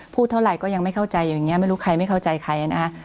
เท่าไหร่ก็ยังไม่เข้าใจอยู่อย่างนี้ไม่รู้ใครไม่เข้าใจใครนะคะ